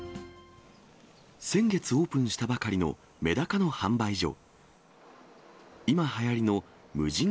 先月オープンしたばかりのメダカの販売所。